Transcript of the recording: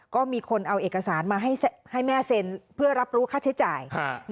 ก็มีคนเอาเอกสารมาให้แม่เซ็นเพื่อรับรู้ค่าใช้จ่าย